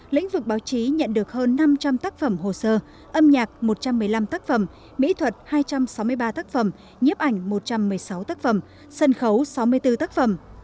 lĩnh vực báo chí nhận được hơn năm trăm linh tác phẩm hồ sơ âm nhạc một trăm một mươi năm tác phẩm mỹ thuật hai trăm sáu mươi ba tác phẩm nhiếp ảnh một trăm một mươi sáu tác phẩm sân khấu sáu mươi bốn tác phẩm